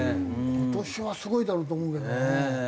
今年はすごいだろうと思うけどね。